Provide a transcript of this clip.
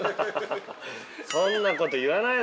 ◆そんなこと言わないで。